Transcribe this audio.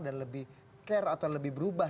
dan lebih care atau lebih berubah